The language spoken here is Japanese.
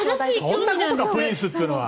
そんなことかプリンスというのは。